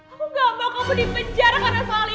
aku gak mau kamu di penjara karena soal ini